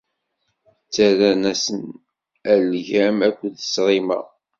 Ttarran-asen algam akked ṣṣrima.